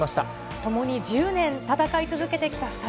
共に１０年戦い続けてきた２人。